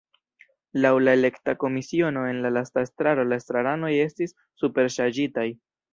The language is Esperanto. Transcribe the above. Laŭ la elekta komisiono en la lasta estraro la estraranoj estis “superŝarĝitaj”.